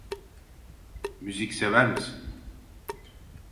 Müzik sever misin?